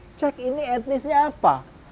bisa dicek ini etnisnya apa